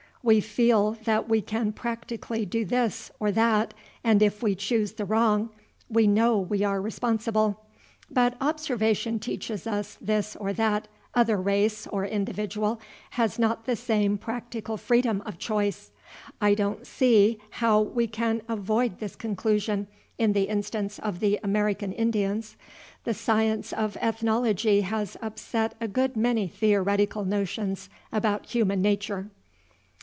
We feel that we can practically do this of that, and if we choose the wrong, we know we are responsible; but observation teaches us that this or that other race or individual has not the same practical freedom of choice. I don't see how we can avoid this conclusion in the instance of the American Indians. The science of Ethnology has upset a good many theoretical notions about human nature."